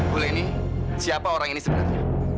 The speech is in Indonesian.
bule ini siapa orang ini sebenarnya